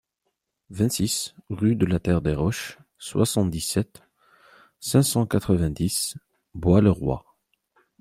vingt-six rue de la Terre des Roches, soixante-dix-sept, cinq cent quatre-vingt-dix, Bois-le-Roi